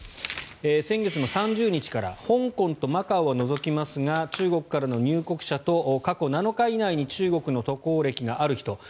先月３０日から香港とマカオを除きますが中国からの入国者と過去７日以内に中国への渡航歴がある人。